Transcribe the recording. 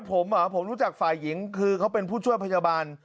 ผมรู้จักฝ่ายหญิงคือเขาเป็นผู้ช่วยพยาบาล